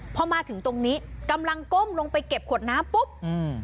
พอมาถึงตรงนี้กำลังก้มลงไปเก็บขวดน้ำปุ๊บอืม